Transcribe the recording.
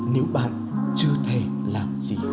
nếu bạn chưa thể làm gì